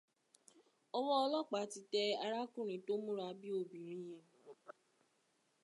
Ọwọ́ ọlọ́pàá ti tẹ arákùnrin tó múra bí obìnrin yẹn